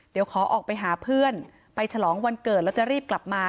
เดี๋ยวขอออกไปหาเพื่อนไปฉลองวันเกิดแล้วจะรีบกลับมา